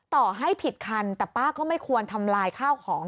ต่อให้ผิดคันแต่ป้าก็ไม่ควรทำลายข้าวของ